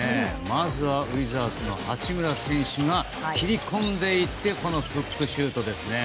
まず、ウィザーズの八村選手が切り込んでいってフックシュート。